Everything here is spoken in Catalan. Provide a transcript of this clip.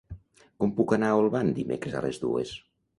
Com puc anar a Olvan dimecres a les dues?